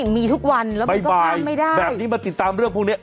มีทุกวันแล้วมันก็พลาดไม่ได้แบบนี้มาติดตามเรื่องพวกเนี้ย